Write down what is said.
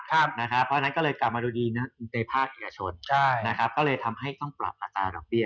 เพราะฉะนั้นก็เลยกลับมาดูดีในภาคเอกชนก็เลยทำให้ต้องปรับอัตราดอกเบี้